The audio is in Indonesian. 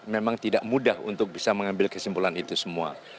memang tidak mudah untuk bisa mengambil kesimpulan itu semua